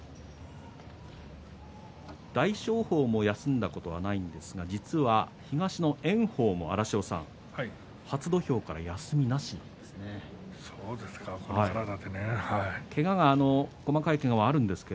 大翔鵬も休んだことはないんですが実は東の炎鵬も初土俵から休みなしなんですね。